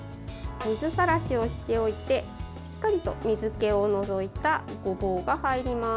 水さらしをしておいてしっかりと水けを除いたごぼうが入ります。